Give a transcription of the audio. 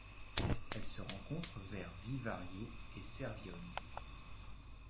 Elle se rencontre vers Vivario et Cervione.